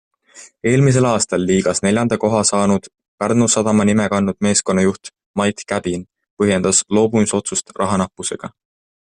Eelmisel aastal liigas neljanda koha saanud Pärnu Sadama nime kandnud meeskonna juht Mait Käbin põhjendas loobumisotsust raha nappusega.